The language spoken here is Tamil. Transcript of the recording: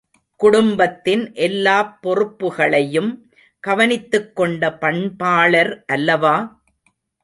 குடும்பத்தின் எல்லாப் பொறுப்புகளையும் கவனித்துக் கொண்ட பண்பாளர் அல்லவா?